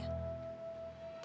udah selesai deh beres semuanya